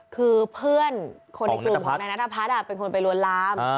คือเพื่อนคนในกลุ่มของนายนัทพัฒน์เป็นคนไปลวนลาม